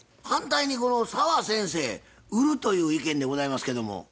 反対に澤先生売るという意見でございますけども。